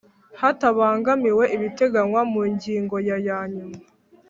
Hatabangamiwe ibiteganywa mu ngingo ya yanyuma